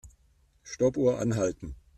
Stoppuhr anhalten.